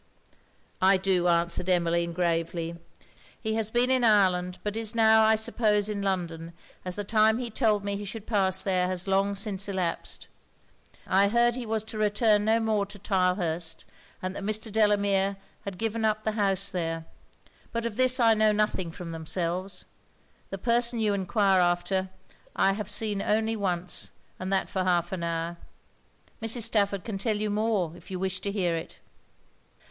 'I do,' answered Emmeline, gravely. 'He has been in Ireland; but is now I suppose in London, as the time he told me he should pass there has long since elapsed. I heard he was to return no more to Tylehurst, and that Mr. Delamere had given up the house there; but of this I know nothing from themselves. The person you enquire after, I have seen only once, and that for half an hour. Mrs. Stafford can tell you more, if you wish to hear it.'